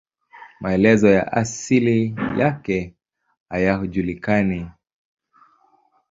Maelezo ya asili yake hayajulikani.